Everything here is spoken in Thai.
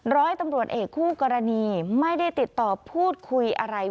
ร้อยตำรวจเอกคู่กรณีไม่ได้ติดต่อพูดคุยอะไร